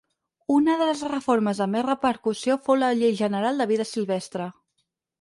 Una de les reformes amb més repercussió fou la Llei General de Vida Silvestre.